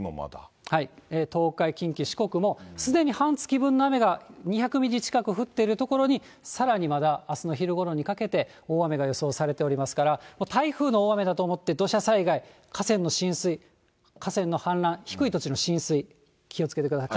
東海、近畿、四国もすでに半月分の雨が２００ミリ近く降っている所に、さらにまだあすの昼ごろにかけて大雨が予想されておりますから、台風の大雨だと思って、土砂災害、河川の浸水、河川の氾濫、低い土地の浸水、気をつけてください。